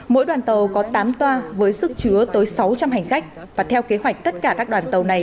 mỗi đoàn tàu có tám toa với sức chứa tới sáu trăm linh hành khách và theo kế hoạch tất cả các đoàn tàu này